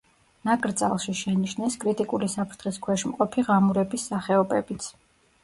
ნაკრძალში შენიშნეს კრიტიკული საფრთხის ქვეშ მყოფი ღამურების სახეობებიც.